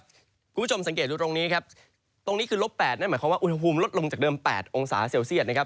คุณผู้ชมสังเกตดูตรงนี้ครับตรงนี้คือลบ๘นั่นหมายความว่าอุณหภูมิลดลงจากเดิม๘องศาเซลเซียตนะครับ